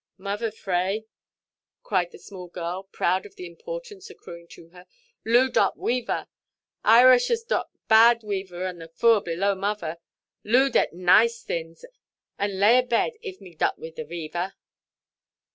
"Mother fray," cried the small girl, proud of the importance accruing to her, "Loo dot wever; Irishers dot bad wever on the foor below mother. Loo det nice thins, and lay abed, if me dot the wever."